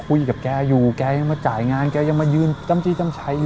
คุยกับแกอยู่แกยังมาจ่ายงานแกยังมายืนจำจี้จ้ำชัยอยู่